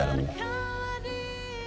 untuk bawakan album foto ini